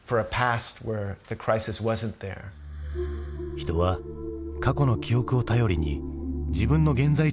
人は過去の記憶を頼りに自分の現在地を確かめる。